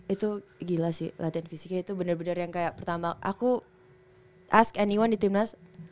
itu gila sih latihan fisiknya itu bener bener yang kayak pertama aku ask anyone di timnas